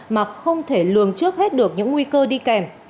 mà không thể lường trước hết được những nguy cơ đi kèm